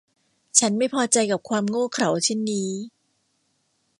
ฉันไม่พอใจกับความโง่เขลาเช่นนี้